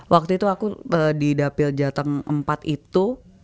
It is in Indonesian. waktu itu aku di dapil jateng empat itu